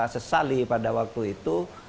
sesali pada waktu itu